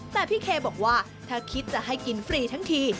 แต่พี่เคบอกว่าถ้าคิดจะให้กินฟรีทั้งที